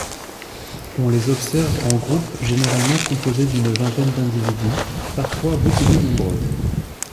On les observe en groupes généralement composés d'une vingtaine d'individus, parfois beaucoup plus nombreux.